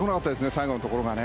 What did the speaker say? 最後のところがね。